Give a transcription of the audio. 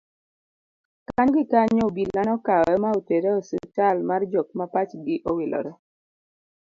kanyo gi kanyo obila nokawe ma otere e ospital mar jok ma pachgi owilore